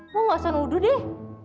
mau gak usah nuduh deh